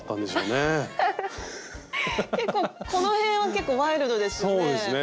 結構この辺は結構ワイルドですよね。